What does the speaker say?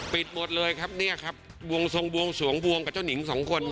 หมดเลยครับเนี่ยครับวงทรงบวงสวงบวงกับเจ้าหนิงสองคน